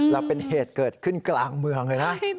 แล้วเป็นเหตุเกิดขึ้นกลางเมืองเลยนะ